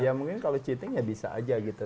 ya mungkin kalau cheating ya bisa aja gitu